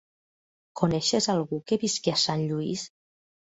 Coneixes algú que visqui a Sant Lluís?